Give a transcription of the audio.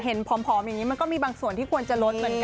ผอมอย่างนี้มันก็มีบางส่วนที่ควรจะลดเหมือนกัน